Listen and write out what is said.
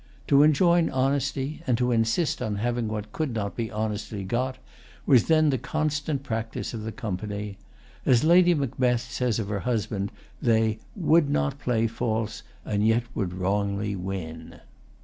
To enjoin honesty, and to insist on having what could not be honestly got, was then the constant practice of the Company. As Lady Macbeth says of her husband, they "would not play false, and yet would wrongly win."